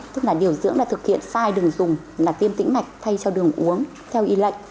tức là điều dưỡng đã thực hiện sai đường dùng là tiêm tĩnh mạch thay cho đường uống theo y lệnh